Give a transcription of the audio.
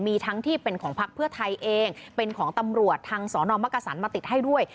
มีทั้งที่เป็นของพักเพื่อไทยเองเป็นของตำรวจทางสนมักกษันมาติดให้ด้วย